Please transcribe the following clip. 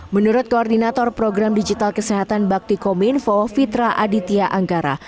menurut koordinator program digital kesehatan baktikominfo fitra aditya anggara